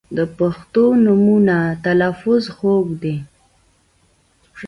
• د پښتو نومونو تلفظ خوږ دی.